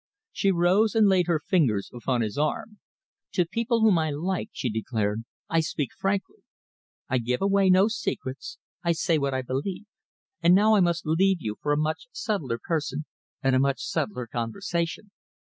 She rose and laid her fingers upon his arm. "To people whom I like," she declared, "I speak frankly. I give away no secrets. I say what I believe. And now I must leave you for a much subtler person and a much subtler conversation.